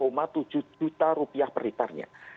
besar dua tujuh juta rupiah per litarnya